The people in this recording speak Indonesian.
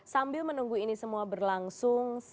sambil menunggu ini semua berlangsung